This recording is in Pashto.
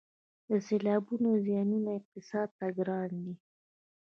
د سیلابونو زیانونه اقتصاد ته ګران دي